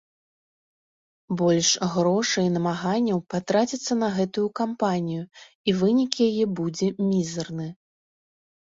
Больш грошай і намаганняў патраціцца на гэтую кампанію, і вынік яе будзе мізэрны.